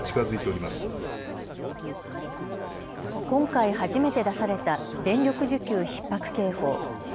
今回、初めて出された電力需給ひっ迫警報。